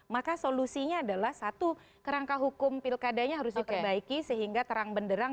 maka solusinya adalah satu kerangka hukum pilkadanya harus diperbaiki sehingga terang benderang